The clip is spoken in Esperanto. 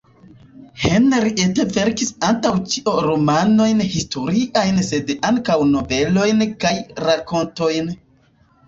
Henriette verkis antaŭ ĉio romanojn historiajn sed ankaŭ novelojn kaj rakontojn.